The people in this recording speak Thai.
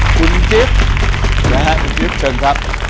คุณกิฟต์